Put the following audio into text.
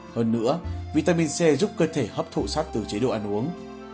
hơn nữa vitamin c giúp cơ thể hấp thụ sát từ chế độ ăn uống